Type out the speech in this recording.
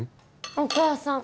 お義母さん